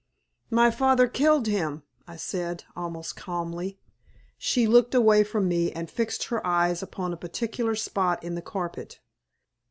"My father killed him," I said, almost calmly. She looked away from me and fixed her eyes upon a particular spot in the carpet.